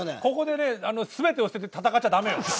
ここでね全てを捨てて戦っちゃダメよ。